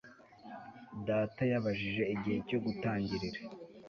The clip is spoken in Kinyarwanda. Data yabajije igihe cyo gutangirira